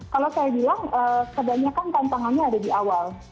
kalau saya bilang kadangnya kan tantangannya ada di awal